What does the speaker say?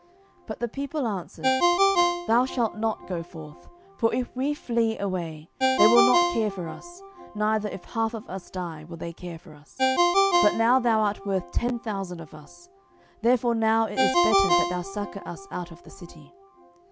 10:018:003 But the people answered, Thou shalt not go forth: for if we flee away, they will not care for us; neither if half of us die, will they care for us: but now thou art worth ten thousand of us: therefore now it is better that thou succour us out of the city.